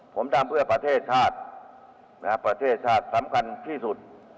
ผมทำเพื่อประเทศชาติประเทศชาติสำคัญที่สุด